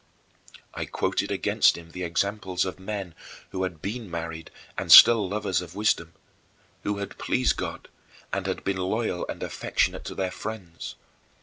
I quoted against him the examples of men who had been married and still lovers of wisdom, who had pleased God and had been loyal and affectionate to their friends.